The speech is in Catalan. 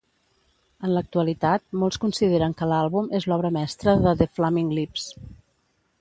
En l'actualitat, molts consideren que l'àlbum és l'obra mestra de The Flaming Lips.